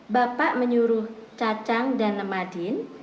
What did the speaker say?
bapak menyuruh cacang dan lemadin